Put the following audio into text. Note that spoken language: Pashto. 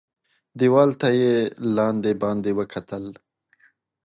دېوال ته یې لاندي باندي وکتل .